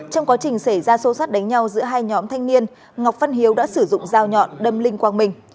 trong quá trình xảy ra xô xát đánh nhau giữa hai nhóm thanh niên ngọc văn hiếu đã sử dụng dao nhọn đâm linh quang minh